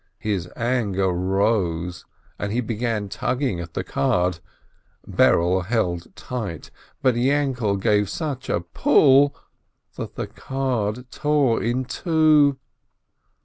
His anger rose, and he began tugging at the card. Berele held tight, but Yainkele gave such a pull that the card tore in two.